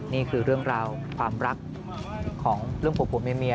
นี่คือเรื่องราวความรักของเรื่องผัวเมีย